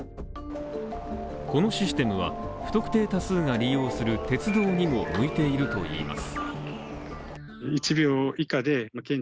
このシステムは、不特定多数が利用する鉄道にも向いているといいます。